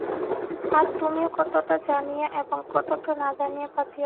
ফাঁদ তুমিও কতকটা জানিয়া এবং কতকটা না জানিয়া পাতিয়াছ।